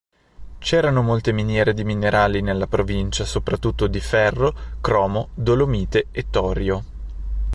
C'erano molte miniere di minerali nella provincia, soprattutto di ferro, cromo, dolomite e torio.